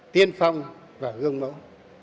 tiên phong và gương mẫu